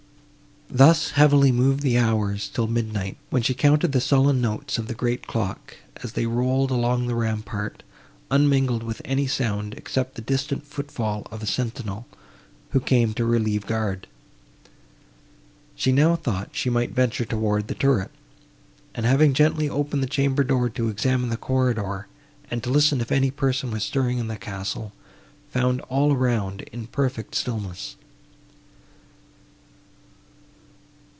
Thus heavily moved the hours till midnight, when she counted the sullen notes of the great clock, as they rolled along the rampart, unmingled with any sound, except the distant foot fall of a sentinel, who came to relieve guard. She now thought she might venture towards the turret, and, having gently opened the chamber door to examine the corridor, and to listen if any person was stirring in the castle, found all around in perfect stillness.